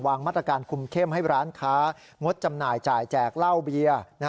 มาตรการคุมเข้มให้ร้านค้างดจำหน่ายจ่ายแจกเหล้าเบียร์